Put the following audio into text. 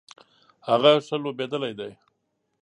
هغه ښه لوبیدلی دی